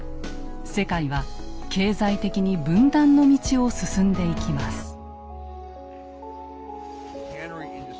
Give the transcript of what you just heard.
世界は経済的に分断の道を進んでいきます。